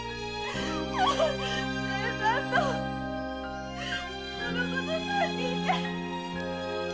清さんとこの子と三人で。